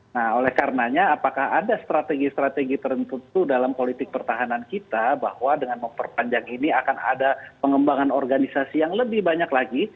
nah oleh karenanya apakah ada strategi strategi tertentu dalam politik pertahanan kita bahwa dengan memperpanjang ini akan ada pengembangan organisasi yang lebih banyak lagi